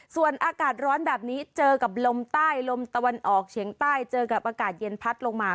ส่วนอากาศร้อนแบบนี้เจอกับลมใต้ลมตะวันออกเฉียงใต้เจอกับอากาศเย็นพัดลงมา